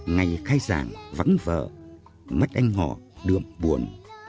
ngày khai giảng vắng vỡ mắt anh hồ đượm buồn